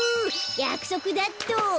やくそくだ！っと。